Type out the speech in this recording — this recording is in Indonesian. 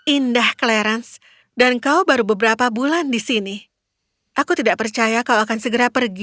indah clarence dan kau baru beberapa bulan di sini aku tidak percaya kau akan segera pergi